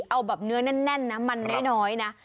เอาแบบเนื้อแน่นนะมันน้อยนะ